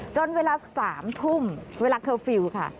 จนเวลา๓ทุ่มเวลาเคอร์ฟิลล์ค่ะ